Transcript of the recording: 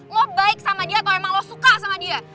lo baik sama dia kalau emang lo suka sama dia